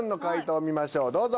どうぞ。